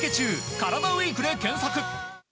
カラダＷＥＥＫで検索。